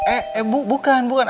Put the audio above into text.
eh eh bukan bukan